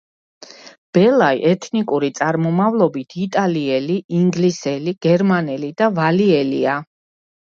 ბელა ეთნიკური წარმომავლობით იტალიელი, ინგლისელი, გერმანელი და ვალიელია.